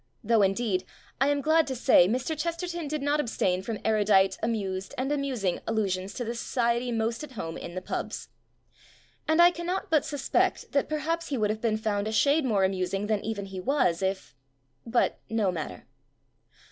Though, indeed, I am glad to say, Mr. Chesterton did not abstain from erudite, amused, and amusing allusions to the society most at home in the "pubs". And I cannot but suspect that perhaps he would have been found a shade more amus ing than even he was if. . .but, no mat ter.